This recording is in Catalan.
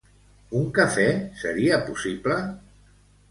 Un cafè seria possible?